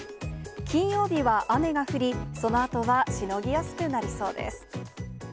金曜日は雨が降り、そのあとはしのぎやすくなりそうです。